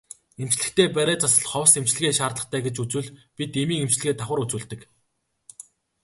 Эмчлэхдээ бариа засал ховс эмчилгээ шаардлагатай гэж үзвэл бид эмийн эмчилгээ давхар үзүүлдэг.